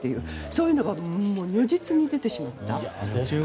そういうのが如実に出てしまっている。